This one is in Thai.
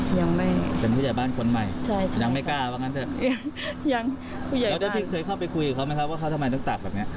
เป็นผู้ใหญ่บ้านคนใหม่ยังไม่กล้าบ้างกันเถอะแล้วได้เคยเข้าไปคุยกับเขาไหมครับว่าเขาทำไมต้องตากแบบนี้